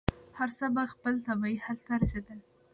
هر څه به خپل طبعي حل ته رسېدل.